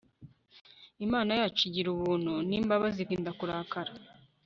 Imana yacu igirubuntu nimbabazi itinda kurakara